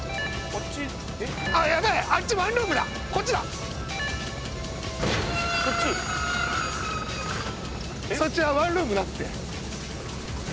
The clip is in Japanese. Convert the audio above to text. そっちはワンルームだって。